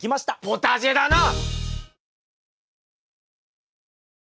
ポタジェだな！